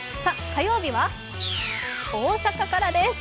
火曜日は大阪からです。